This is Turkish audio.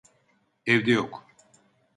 Evde yok.